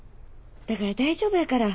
だから大丈夫だから。